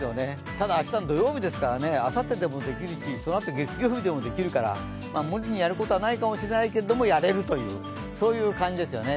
ただ、明日、土曜日ですから、あさってでもできるし、そのあと、月曜日でもできるから、無理にやることはないかもしれないけれども、やれるという、そういう感じですよね。